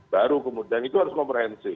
baru kemudian itu harus komprehensif